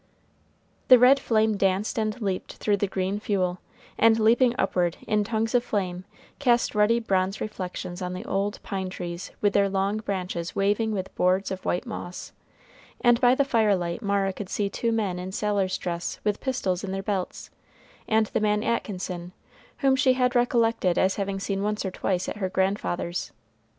The red flame danced and leaped through the green fuel, and leaping upward in tongues of flame, cast ruddy bronze reflections on the old pine trees with their long branches waving with boards of white moss, and by the firelight Mara could see two men in sailor's dress with pistols in their belts, and the man Atkinson, whom she had recollected as having seen once or twice at her grandfather's.